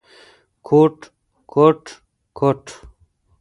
کوټ، کوټ ، کوټ ….